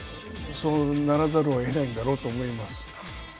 そうならざるを得ないんだろうと思います。